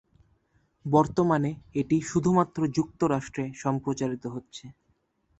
বর্তমানে এটি শুধুমাত্র যুক্তরাষ্ট্রে সম্প্রচারিত হচ্ছে।